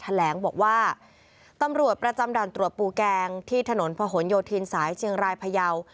แถลงบอกว่าตำรวจประจำด่านตรวจปูแกงที่ถนนพะหนโยธินสายเชียงรายพยาว